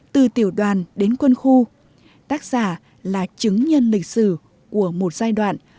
từ tiểu đoàn đến quân khu tác giả là chứng nhân lịch sử của một giai đoạn